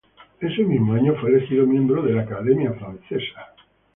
Ese mismo año fue elegido miembro de la Academia francesa.